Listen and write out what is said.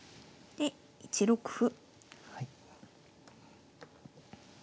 で３六歩。